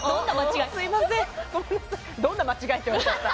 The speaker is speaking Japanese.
どんな間違いって言われちゃった。